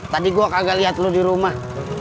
tadi gue kagak lihat lo di rumah